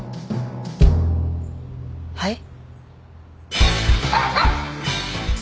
はい？